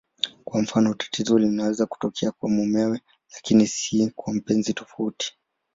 Kwa mfano, tatizo linaweza kutokea kwa mumewe lakini si kwa mpenzi tofauti.